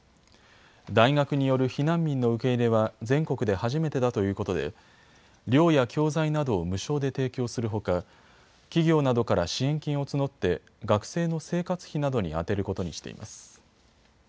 大学による避難民の受け入れは全国で初めてだということで寮や教材などを無償で提供するほか企業などから支援金を募って学生の生活費などに充てることにしています。